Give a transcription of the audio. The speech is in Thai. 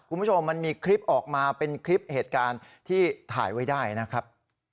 คุณผู้ชมมันมีคลิปออกมาเป็นคลิปเหตุการณ์ที่ถ่ายไว้ได้นะครับ